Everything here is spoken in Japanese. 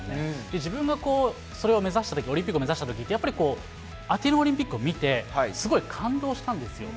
自分がそれを目指したとき、オリンピックを目指したときって、やっぱりこう、アテネオリンピックを見て、すごい感動したんですよ。